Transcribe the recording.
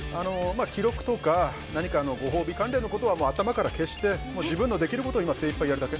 記録とか、何かのご褒美関連のことは頭から消して自分のできることを精いっぱいやるだけ。